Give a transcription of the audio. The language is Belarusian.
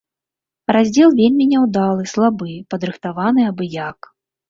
Раздзел вельмі няўдалы, слабы, падрыхтаваны абы як.